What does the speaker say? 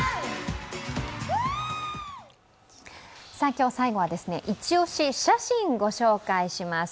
今日最後はイチ押し写真、ご紹介します。